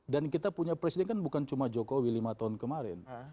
dan kita punya presiden kan bukan cuma jokowi lima tahun kemarin